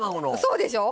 そうでしょう。